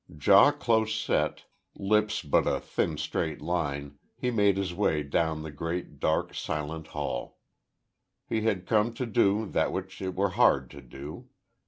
Jaw close set lips but a thin straight line, he made his way down the great, dark, silent hall. He had come to do that which it were hard to do.